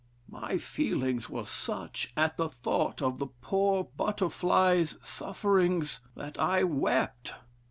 My feelings were such at the thought of the poor butterfly's sufferings, that I wept.